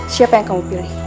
siapa yang kamu pilih